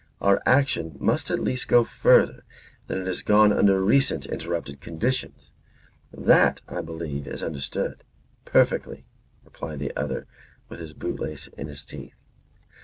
Our action must at least go further than it has gone under recent interrupted conditions. That, I believe, is understood." "Perfectly," replied the other with his bootlace in his teeth.